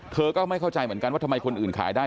ก็ไม่เข้าใจเหมือนกันว่าทำไมคนอื่นขายได้